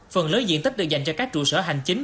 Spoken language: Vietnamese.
phần lớn diện tích được dành cho các trụ sở hành chính